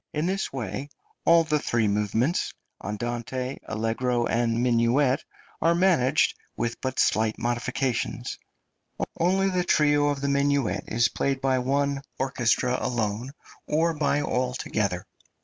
In this way all the three movements andante, allegro, and minuet are managed, with but slight modifications; only the trio of the minuet is played by one orchestra alone, or by all together.